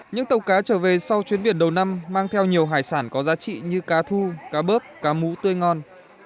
những tàu cá trở về sau chuyến biển đầu năm mang theo nhiều hải sản có giá trị như cá thu cá bớp cá mũ tươi ngon